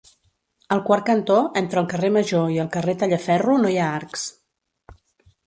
El quart cantó, entre el carrer Major i el carrer Tallaferro no hi ha arcs.